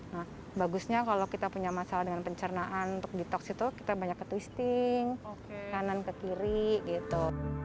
nah bagusnya kalau kita punya masalah dengan pencernaan untuk detox itu kita banyak ke twisting kanan ke kiri gitu